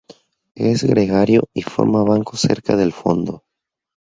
Es gregario y forma bancos cerca del fondo.